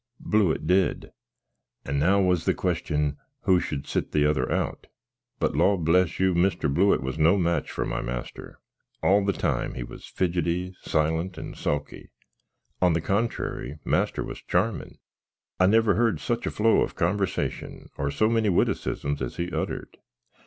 Blewitt did; and now was the question, who should sit the other out; but, law bless you! Mr. Blewitt was no match for my master; all the time he was fidgetty, silent, and sulky; on the contry, master was charmin. I never herd such a flow of conversatin, or so many wittacisms as he uttered.